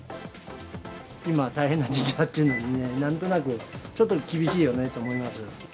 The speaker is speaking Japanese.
今、大変な時期だっていうのにね、なんとなく、ちょっと厳しいよね